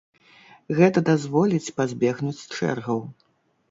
Гэта дазволіць пазбегнуць чэргаў.